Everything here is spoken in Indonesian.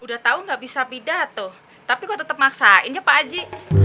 udah tau gak bisa pidato tapi kok tetep maksainya pak aji